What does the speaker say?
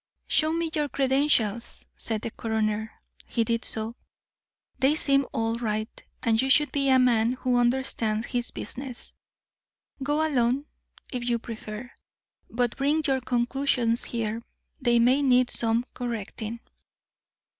"Show me your credentials," said the coroner. He did so. "They seem all right, and you should be a man who understands his business. Go alone, if you prefer, but bring your conclusions here. They may need some correcting."